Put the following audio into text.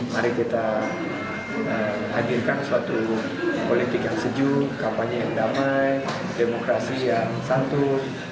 mari kita hadirkan suatu politik yang sejuk kampanye yang damai demokrasi yang santun